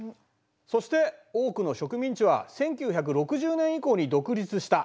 そして多くの植民地は１９６０年以降に独立した。